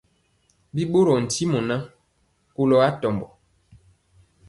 Bi ɓorɔɔ ntimɔ ŋan, kɔlo atɔmbɔ.